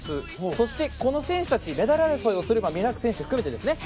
そしてこの選手たちメダル争いをすればミラーク選手含めてですね